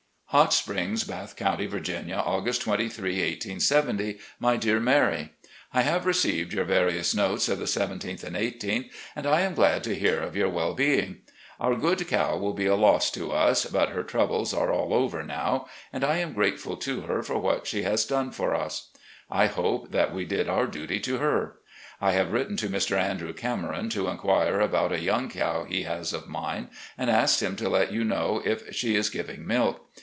" Hot Springs, Bath County, Viiginia, ''August 23, 1870. " My Dear Mary: I have received your various notes of the 17th and i8th, and I am glad to hear of your well being. Our good cow will be a loss to us, but her troubles are all over now, and I am grateful to her for what she has 428 RECOLLECTIONS OP GENERAL LEE done for us. I hope that we did our duty to her. I have written to Mr. Andrew Cameron to inquire about a young cow he has of mine, and asked him to let you know if she is giving milk.